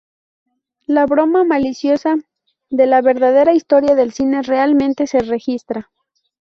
La broma maliciosa de La verdadera historia del cine realmente se registra.